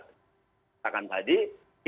ini sama sebenarnya dengan bursa efek indonesia